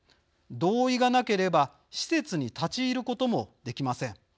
同意がなければ施設に立ち入ることもできません。